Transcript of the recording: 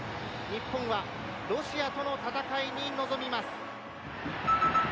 日本はロシアとの戦いに臨みます。